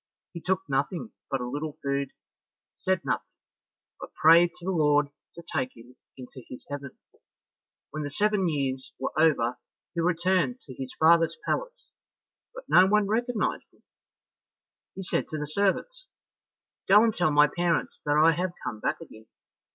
He took nothing but a little food, said nothing, but prayed to the Lord to take him into his heaven. When the seven years were over, he returned to his father's palace, but no one recognized him. He said to the servants, "Go and tell my parents that I have come back again."